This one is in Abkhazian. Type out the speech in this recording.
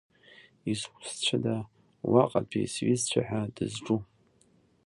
Изусҭцәада уаҟатәи сҩызцәа ҳәа дызҿу.